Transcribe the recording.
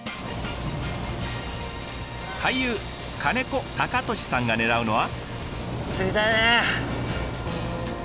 俳優金子貴俊さんが狙うのは。